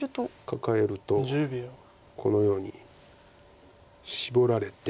カカえるとこのようにシボられて。